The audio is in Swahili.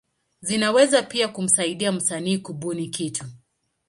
Zinaweza pia kumsaidia msanii kubuni kitu.